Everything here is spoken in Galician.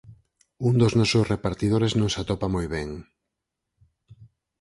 Un dos nosos repartidores non se atopa moi ben.